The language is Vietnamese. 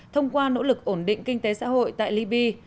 thông qua nỗ lực ổn định kinh tế xã hội tại liby